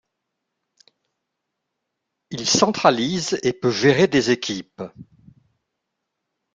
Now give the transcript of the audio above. Il centralise et peut gérer des équipes.